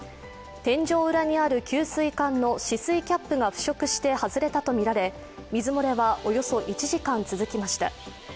天井裏にある給水管の止水キャップが腐食して外れたとみられ水漏れはおよそ１時間続きました。